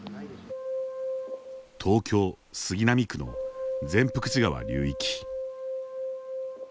東京、杉並区の善福寺川流域。